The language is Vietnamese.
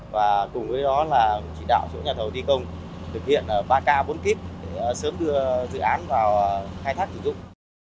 và cùng với đó là chỉ đạo chỗ nhà thầu thi công thực hiện ba k bốn k để sớm đưa dự án vào khai thác sử dụng